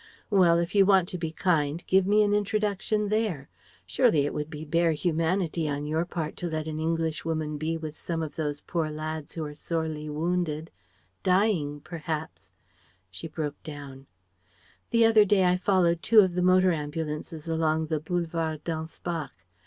Well: if you want to be kind, give me an introduction there. Surely it would be bare humanity on your part to let an Englishwoman be with some of those poor lads who are sorely wounded, dying perhaps" she broke down "The other day I followed two of the motor ambulances along the Boulevard d'Anspach.